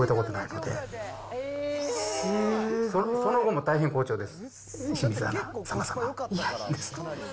その後も大変好調です。